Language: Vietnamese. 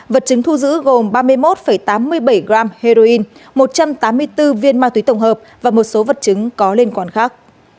vật chứng thu giữ gồm ba mươi một tám mươi bảy g heroin một trăm tám mươi bốn viên ma túy tổng hợp và một số vật chứng có liên quan khác